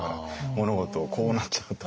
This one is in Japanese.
物事をこうなっちゃった。